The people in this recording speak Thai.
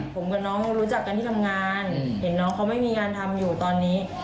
ผมกับน้องเขารู้จักกันที่ทำงานเห็นน้องเขาไม่มีงานทำอยู่ตอนนี้